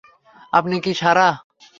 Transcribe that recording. আপনি কি সারা?